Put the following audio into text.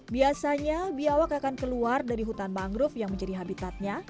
biasanya biawak akan keluar dari hutan mangrove yang menjadi habitatnya